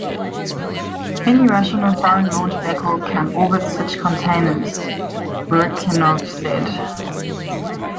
"Any Russian or foreign launch vehicle can orbit such containers," Bryukhanov said.